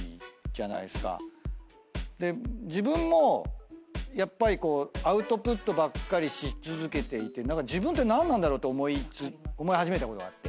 自分もやっぱりアウトプットばっかりし続けていて自分って何なんだろう？って思い始めたことがあって。